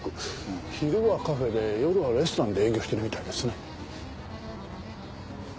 昼はカフェで夜はレストランで営業してるみたいですね。